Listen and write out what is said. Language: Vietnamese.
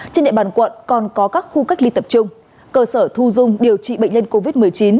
trên địa bàn quận còn có các khu cách ly tập trung cơ sở thu dung điều trị bệnh nhân covid một mươi chín